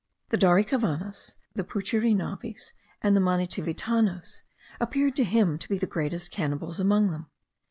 The Daricavanas, the Puchirinavis, and the Manitivitanos, appeared to him to be the greatest cannibals among them.